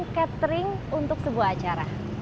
katering untuk sebuah acara